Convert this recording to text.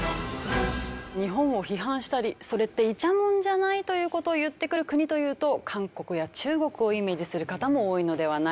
日本を批判したりそれってイチャモンじゃない？という事を言ってくる国というと韓国や中国をイメージする方も多いのではないでしょうか？